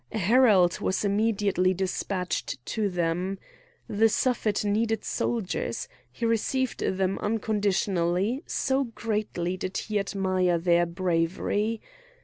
A herald was immediately despatched to them. The Suffet needed soldiers; he received them unconditionally, so greatly did he admire their bravery.